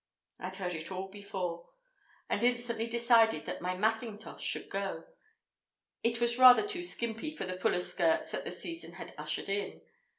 I'd heard it all before, and instantly decided that my mackintosh could go; it was rather too skimpy for the fuller skirts that the season had ushered in.